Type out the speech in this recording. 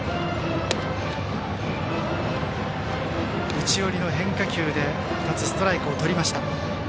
内寄りの変化球で２つストライクをとりました。